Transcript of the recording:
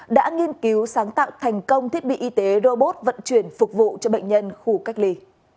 đã nghiên cứu sáng tạo thành công thiết bị y tế robot vận chuyển phục vụ cho bệnh nhân khu cách ly